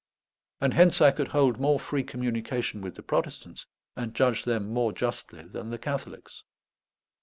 And hence I could hold more free communication with the Protestants, and judge them more justly, than the Catholics.